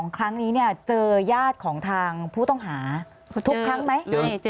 ครั้งนี้เจอญาติของทางผู้ต้องหาทุกครั้งไหม